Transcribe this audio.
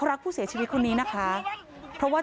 โชว์บ้านในพื้นที่เขารู้สึกยังไงกับเรื่องที่เกิดขึ้น